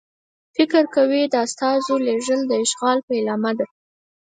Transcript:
فکر کوي استازو لېږل د اشغال پیلامه ده.